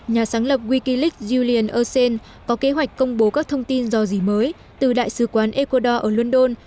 nhà sáng lập wikileaks julian o shane có kế hoạch công bố các thông tin rò rỉ mới từ đại sứ quán ecuador ở london